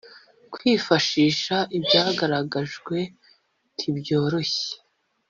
kwifashisha ibyagaragajwe ntibyoroshye.